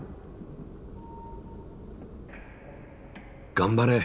頑張れ！